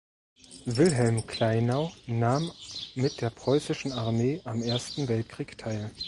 Wilhelm Kleinau nahm mit der preußischen Armee am Ersten Weltkrieg teil.